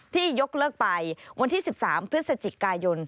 ยกเลิกไปวันที่๑๓พฤศจิกายน